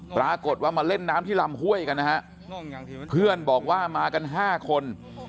ปรากฏว่ามาเล่นน้ำที่ลำห้วยกันนะฮะเพื่อนบอกว่ามากัน๕คน